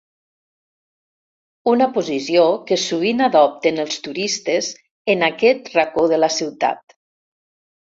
Una posició que sovint adopten els turistes en aquest racó de la ciutat.